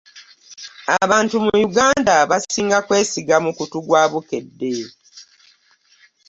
Abantu mu Uganda basinga kwesiga mukutu gwa Bukedde.